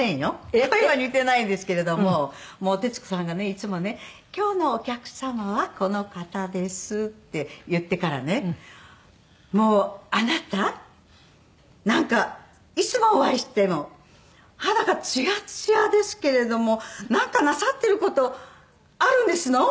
声は似てないんですけれどももう徹子さんがねいつもね「今日のお客様はこの方です」って言ってからね「もうあなたなんかいつお会いしても肌がツヤツヤですけれどもなんかなさってる事あるんですの？」。